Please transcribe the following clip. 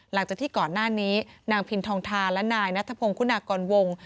หลังจากที่ก่อนหน้านี้นางพินทองทาและนายนัทพงศ์คุณากรวง